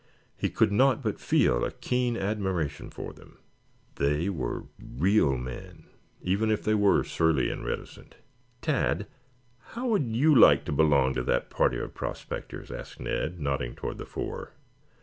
He could not but feel a keen admiration for them. They were real men, even if they were surly and reticent. "Tad, how would you like to belong to that party of prospectors?" asked Ned, nodding toward the four.